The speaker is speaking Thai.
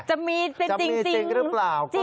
จะมีเป็นจริงรึเปล่า